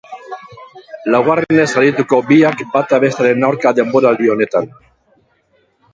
Laugarrenez arituko biak bata bestearen aurka denboraldi honetan.